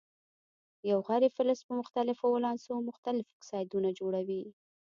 یو غیر فلز په مختلفو ولانسو مختلف اکسایدونه جوړوي.